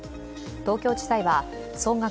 東京地裁は総額